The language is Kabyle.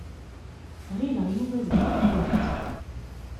Ɣileɣ Yuba d gma-tkent.